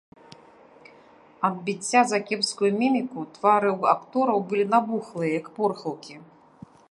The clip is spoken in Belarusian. Ад біцця за кепскую міміку твары ў актораў былі набухлыя, як порхаўкі.